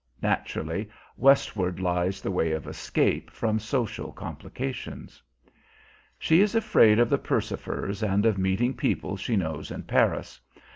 Naturally; westward lies the way of escape from social complications. She is afraid of the Percifers, and of meeting people she knows in Paris.